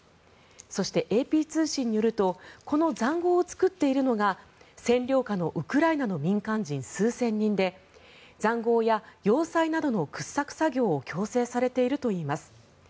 そして、ＡＰ通信によるとこの塹壕を作っているのが占領下のウクライナの民間人数千人で塹壕や要塞などの掘削作業を強制されているといいます。